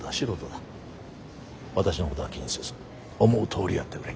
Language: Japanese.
私のことは気にせず思うとおりやってくれ。